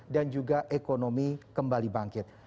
dan juga ekonomi kembali bangkit